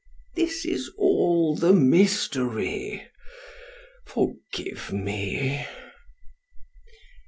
This is all the mystery. Forgive me."